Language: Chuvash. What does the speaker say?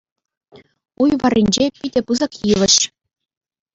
Уй варринче — питӗ пысӑк йывӑҫ.